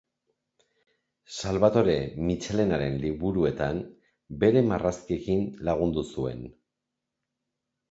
Salbatore Mitxelenaren liburuetan bere marrazkiekin lagundu zuen.